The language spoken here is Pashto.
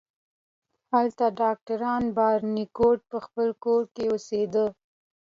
هلته ډاکټر بارنیکوټ په خپل کور کې اوسیده.